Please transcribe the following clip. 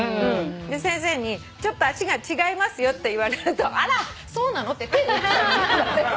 先生に「ちょっと足が違いますよ」って言われると「あらそうなの？」って手打っちゃう。